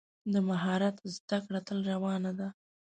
د مهارت زده کړه تل روانه ده.